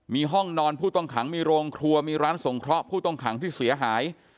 มีห้องนอนผู้ต้องขังมีโรงครัวมีร้านสงเคราะห์ผู้ต้องขังที่เสียหาย